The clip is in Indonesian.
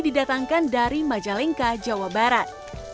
didatangkan dari majalengka jawa barat